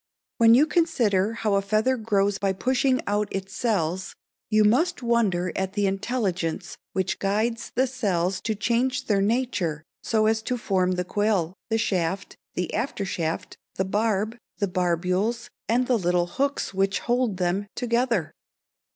When you consider how a feather grows by pushing out its cells you must wonder at the intelligence which guides the cells to change their nature so as to form the quill, the shaft, the after shaft, the barb, the barbules, and the little hooks which hold them together.